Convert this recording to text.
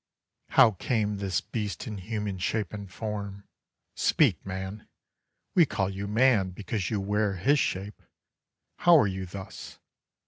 How came this beast in human shape and form? Speak, man! We call you man because you wear His shape How are you thus?